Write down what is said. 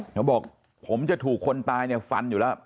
เขาบอกผมจะถูกคนตายเนี่ยฟันอยู่แล้ว